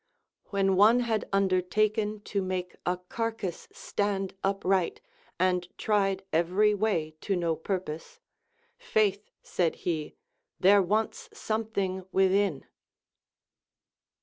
Wlien one had undertaken to make a carcass stand upright, and tried every way to no purpose ; Faith, said he, there wants something• within.